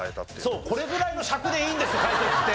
そうこれぐらいの尺でいいんです解説って。